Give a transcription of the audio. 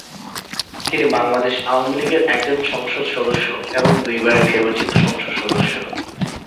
তিনি বাংলাদেশ আওয়ামী লীগের একজন সদস্য এবং দুইবারের নির্বাচিত সংসদ সদস্য।